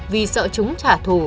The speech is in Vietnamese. vì sợ chúng trả thù